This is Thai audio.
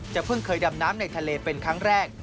เพิ่งเคยดำน้ำในทะเลเป็นครั้งแรก